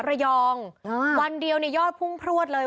ระยองวันเดียวเนี่ยยอดพุ่งพลวดเลย